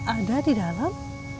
ada di dalam